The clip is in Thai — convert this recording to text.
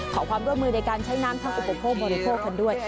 ขอความร่วมมือในการใช้น้ำทั้งอุปโภคบริโภคกันด้วย